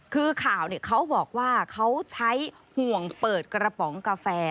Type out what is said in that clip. คือข่าวเขาบอกว่าเขาใช้ห่วงเปิดกระป๋องกาแฟ